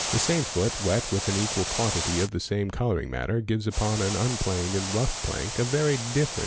The same foot wet with an equal quantity of the ame colouring matter gives upon an unplaned and rough plank a very afferent.